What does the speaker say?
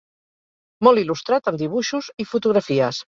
Molt il·lustrat amb dibuixos i fotografies.